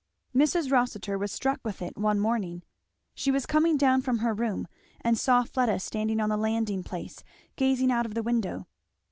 Mrs. Rossitur was struck with it one morning. She was coming down from her room and saw Fleda standing on the landing place gazing out of the window.